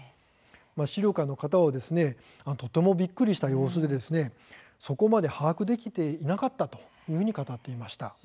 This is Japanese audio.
資料館の方もとてもびっくりした様子でそこまで把握できていなかったというふうに語っていました。